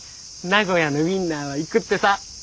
名古屋のウインナーは行くってさ。